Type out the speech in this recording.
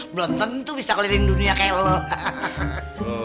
belum tentu bisa keliling dunia kayak lo